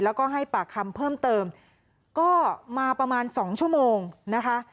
แล้วก็ให้ปากคำเพิ่มเติมก็มาประมาณสองชั่วโมงนะคะ